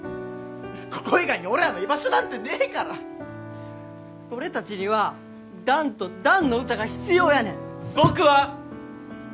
ここ以外に俺らの居場所なんてねえから俺達には弾と弾の歌が必要やねん僕は！